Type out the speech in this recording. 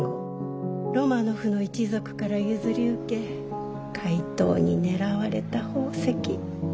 ロマノフの一族から譲り受け怪盗に狙われた宝石。